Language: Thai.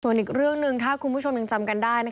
ส่วนอีกเรื่องหนึ่งถ้าคุณผู้ชมยังจำกันได้